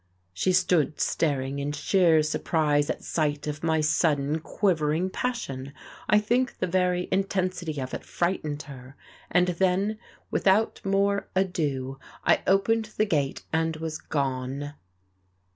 She stood staring in sheer surprise at sight of my sudden, quivering passion. I think the very intensity of it frightened her. And then, without more ado, I opened the gate and was gone....